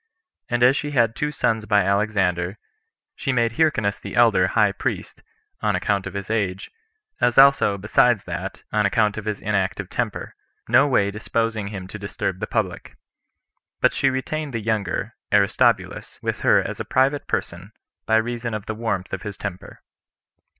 And as she had two sons by Alexander, she made Hyrcanus the elder high priest, on account of his age, as also, besides that, on account of his inactive temper, no way disposing him to disturb the public. But she retained the younger, Aristobulus, with her as a private person, by reason of the warmth of his temper.